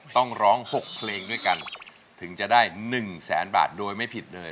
ต้องร้อง๖เพลงด้วยกันถึงจะได้๑แสนบาทโดยไม่ผิดเลย